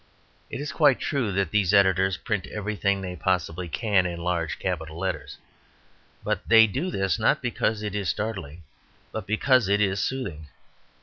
It is quite true that these editors print everything they possibly can in large capital letters. But they do this, not because it is startling, but because it is soothing.